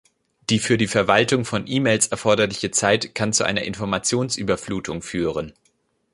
Die für die Verwaltung von E-Mails erforderliche Zeit kann zu einer Informationsüberflutung führen.